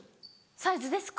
サイズですか？